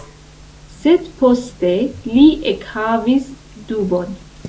Sed poste li ekhavis dubon.